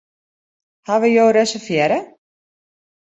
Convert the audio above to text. Hawwe jo reservearre?